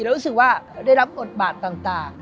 รู้สึกว่าได้รับกรบบาทต่าง